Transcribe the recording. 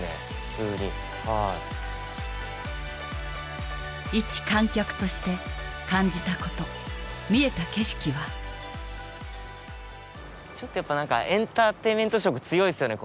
普通に一観客として感じたこと見えた景色はちょっとやっぱ何かエンターテインメント色強いっすよね